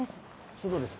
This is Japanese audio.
須藤です。